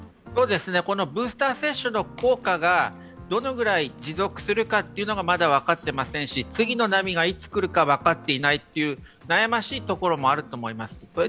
ブースター接種の効果がどのぐらい持続するかがまだ分かっていませんし、次の波がいつ来るか分かっていないという悩ましいところもあると思います。